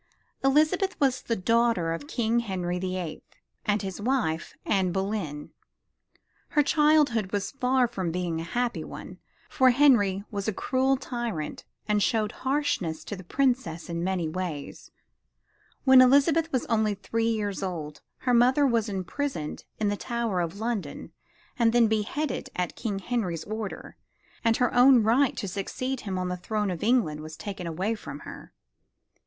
Elizabeth was the daughter of King Henry the Eighth, and his wife, Anne Boleyn. Her childhood was far from being a happy one, for Henry was a cruel tyrant and showed harshness to the princess in many ways. When Elizabeth was only three years old her mother was imprisoned in the Tower of London and then beheaded at King Henry's order, and her own right to succeed him on the throne of England was taken away from her.